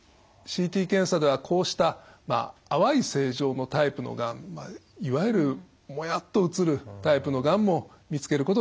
ＣＴ検査ではこうした淡い性状のタイプのがんいわゆるもやっと写るタイプのがんも見つけることができます。